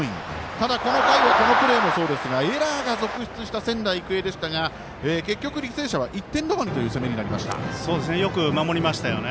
ただ、この回はこのプレーもそうですがエラーが続出した仙台育英でしたが結局、履正社は１点どまりよく守りましたよね。